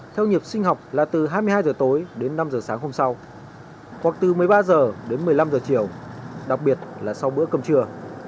theo nhịp sinh học là từ hai mươi hai h tối đến năm h sáng hôm sau hoặc từ một mươi ba h đến một mươi năm h chiều đặc biệt là sau bữa cơm trưa